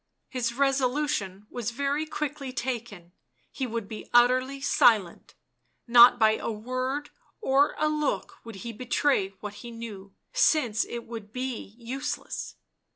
His resolution was very quickly taken : he would be utterly silent, not by a word or a look would he betray what he knew, since it would be useless.